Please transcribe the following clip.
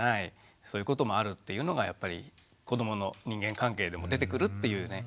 そういうこともあるっていうのがやっぱり子どもの人間関係でも出てくるっていうね